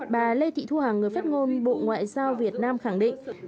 bà lê thị thu hằng người phát ngôn bộ ngoại giao việt nam khẳng định